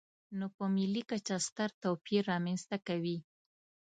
نو په ملي کچه ستر توپیر رامنځته کوي.